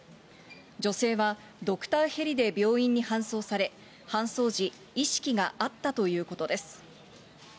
女性はドクターヘリで病院に搬送され、搬送時、意識があったということです。